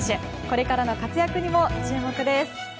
これからの活躍にも注目です。